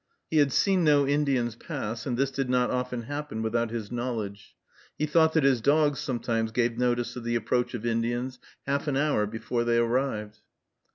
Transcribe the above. He had seen no Indians pass, and this did not often happen without his knowledge. He thought that his dogs sometimes gave notice of the approach of Indians half an hour before they arrived.